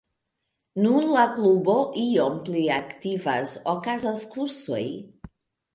Nun la klubo iom pli aktivas, okazas kursoj.